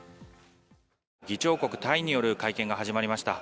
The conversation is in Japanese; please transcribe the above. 議長国タイによる会見が始まりました。